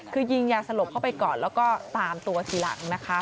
คือยิงยาสลบเข้าไปก่อนแล้วก็ตามตัวทีหลังนะคะ